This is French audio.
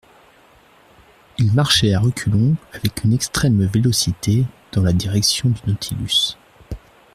Il marchait à reculons avec une extrême vélocité dans la direction du Nautilus.